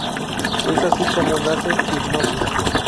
Es así como nace Hipnosis.